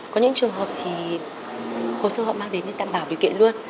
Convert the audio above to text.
có những trường hợp thì hồ sơ họ mang đến để đảm bảo điều kiện luôn